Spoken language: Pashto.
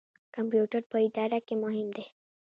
کمپیوټر په اداره کې مهم دی